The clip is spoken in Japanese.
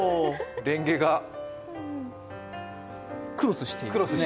れんげがクロスしている。